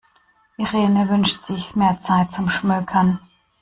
Irene wünscht sich mehr Zeit zum Schmökern.